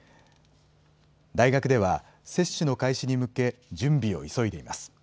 大学では接種の開始に向け準備を急いでいます。